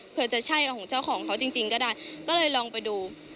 เพื่อจะใช่ของเจ้าของเขาจริงก็ได้ก็เลยลองไปดู